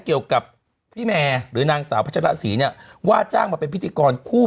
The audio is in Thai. เกี่ยวกับพี่แมร์หรือนางสาวพัชรศรีเนี่ยว่าจ้างมาเป็นพิธีกรคู่